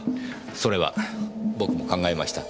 それは僕も考えました。